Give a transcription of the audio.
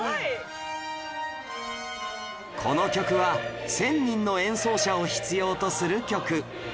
この曲は１０００人の演奏者を必要とする曲